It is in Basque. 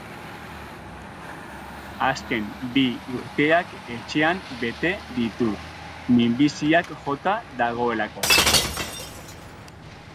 Azken bi urteak etxean bete ditu, minbiziak jota dagoelako.